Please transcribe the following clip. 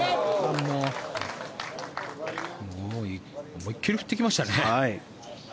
思いっ切り振ってきましたね。